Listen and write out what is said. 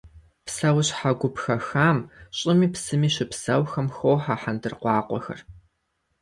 Псэущхьэ гуп хэхам, щӏыми псыми щыпсэухэм, хохьэ хьэндыркъуакъуэхэр.